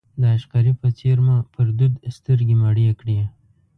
د عشقري په څېر مو پر دود سترګې مړې کړې.